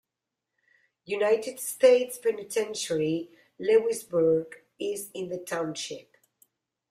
United States Penitentiary, Lewisburg is in the township.